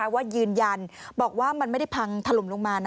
ว่ายืนยันบอกว่ามันไม่ได้พังถล่มลงมา